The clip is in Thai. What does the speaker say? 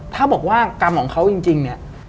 ถ้าบอกว่ากรรมของเขาจริงเนี่ย